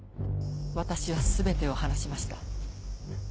私は全てを話しました。